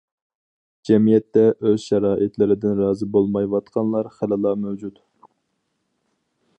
جەمئىيەتتە ئۆز شارائىتلىرىدىن رازى بولمايۋاتقانلار خىلىلا مەۋجۇت.